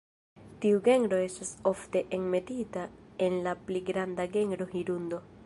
Tiu genro estas ofte enmetita en la pli granda genro "Hirundo".